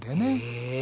へえ。